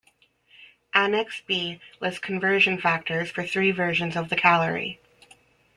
Annex B lists conversion factors for three versions of the calorie.